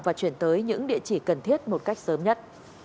và chuyển tới những địa chỉ cần thiết một cách sớm nhất